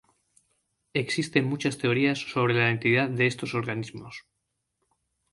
Existen muchas teorías sobre la identidad de estos organismos.